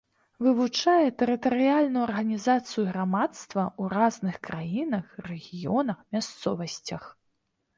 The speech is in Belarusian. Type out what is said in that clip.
Вывучае тэрытарыяльную арганізацыю грамадства ў разных краінах, рэгіёнах, мясцовасцях.